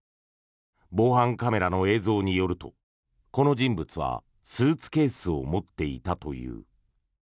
防犯カメラの映像によるとこの人物はスーツケースを持っていたという。